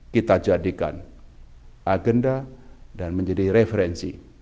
kita jadikan agenda dan menjadi referensi